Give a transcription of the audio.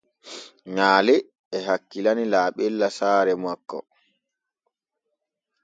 Nyaale e hakkilani laaɓella saare makko.